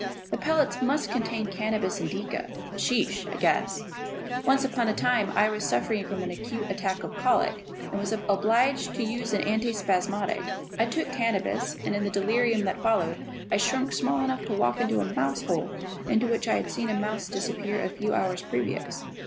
The pellets must contain cannabis indica (hashish) I guess. Once upon a time I was suffering from an acute attack of colic and was obliged to use an anti spasmodic. I took cannabis, and in the delirium that followed I shrunk small enough to walk into a mouse hole into which I had seen a mouse disappear a few hours previous.